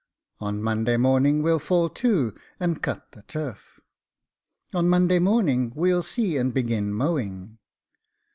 On Monday morning we'll fall to, and cut the turf. On Monday morning we'll see and begin mowing.